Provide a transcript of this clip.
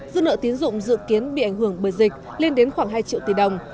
dư nợ tiến dụng dự kiến bị ảnh hưởng bởi dịch lên đến khoảng hai triệu tỷ đồng